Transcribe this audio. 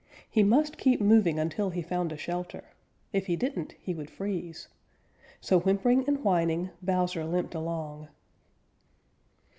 He must keep moving until he found a shelter. If he didn't he would freeze. So whimpering and whining, Bowser limped along.